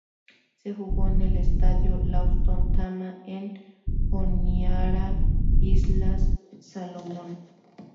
Se jugó en el Estadio Lawson Tama, en Honiara, Islas Salomón.